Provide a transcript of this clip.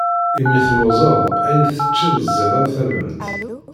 Imi telluẓeḍ ayen teččiḍ ẓid am tamment.